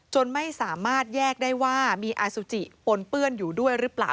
ไม่สามารถแยกได้ว่ามีอาสุจิปนเปื้อนอยู่ด้วยหรือเปล่า